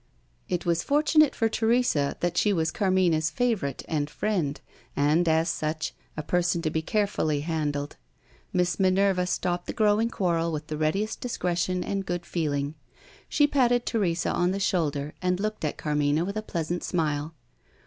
It was fortunate for Teresa that she was Carmina's favourite and friend, and, as such, a person to be carefully handled. Miss Minerva stopped the growing quarrel with the readiest discretion and good feeling. She patted Teresa on the shoulder, and looked at Carmina with a pleasant smile.